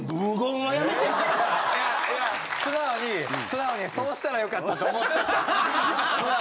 素直に素直にそうしたら良かったと思っちゃったっす。